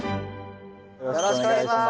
よろしくお願いします。